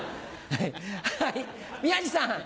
はい宮治さん。